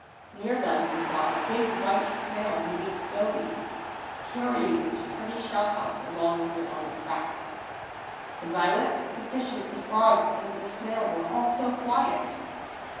Near them he saw a big white snail moving slowly, carrying its pretty shell house along with it on its back. The violets, the fishes, the frogs, and the snail were all so quiet!